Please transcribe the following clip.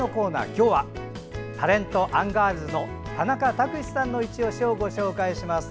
今日はタレント、アンガールズの田中卓志さんのいちオシをご紹介します。